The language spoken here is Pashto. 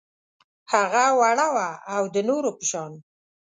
هغه وړه وه او د نورو په شان